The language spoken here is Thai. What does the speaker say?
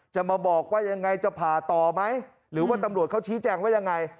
จะมาบอกว่ายังไงจะผ่าต่อไหมหรือว่าตำรวจเขาชี้แจงว่ายังไง